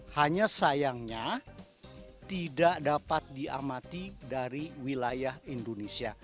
hanya sayangnya tidak dapat diamati dari wilayah indonesia